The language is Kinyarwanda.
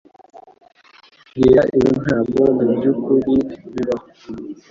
Mbwira ibi ntabwo mubyukuri bibaho